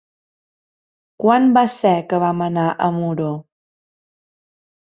Quan va ser que vam anar a Muro?